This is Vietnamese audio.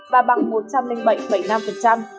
và bằng một trăm linh bảy năm so với cục kỳ năm hai nghìn hai mươi